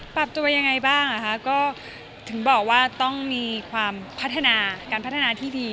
ปรับตัวยังไงบ้างก็ถึงบอกว่าต้องมีความพัฒนาการพัฒนาที่ดี